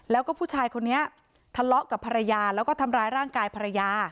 แล้วก็ผู้ชายคนนี้ทะเลาะกับภรรยาแล้วก็ทำร้ายร่างกายภรรยา